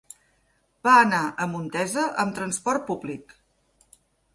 Va anar a Montesa amb transport públic.